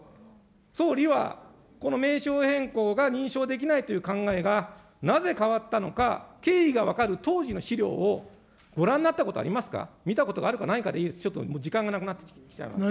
総理は、この名称変更が認証できないという考えがなぜ変わったのか、経緯が分かる当時の資料をご覧になったことがありますか、見たことがあるかないかでいいです、ちょっと時間がなくなってきたので。